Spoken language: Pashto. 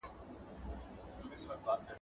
او د نارينه د بې ځايه ارزښت